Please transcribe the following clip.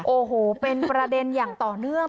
โอ้โหเป็นประเด็นอย่างต่อเนื่อง